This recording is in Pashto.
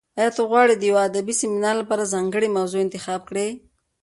ایا ته غواړې د یو ادبي سیمینار لپاره ځانګړې موضوع انتخاب کړې؟